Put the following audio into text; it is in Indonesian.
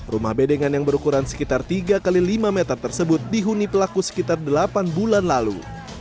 rumah bedengan yang berukuran sekitar tiga x lima meter tersebut dihuni pelaku sekitar delapan bulan lalu